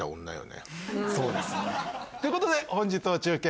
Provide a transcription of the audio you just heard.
そうですね。ということで本日の中継